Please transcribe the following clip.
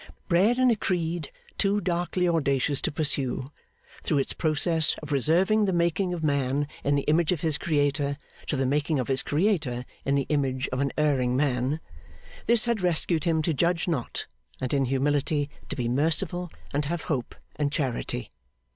Bred in a creed too darkly audacious to pursue, through its process of reserving the making of man in the image of his Creator to the making of his Creator in the image of an erring man, this had rescued him to judge not, and in humility to be merciful, and have hope and charity.